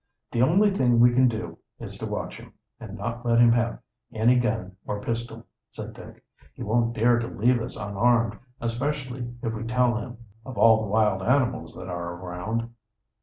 "The only thing we can do is to watch him, and not let him have any gun or pistol," said Dick. "He won't dare to leave us, unarmed, especially if we tell him of all the wild animals that are around."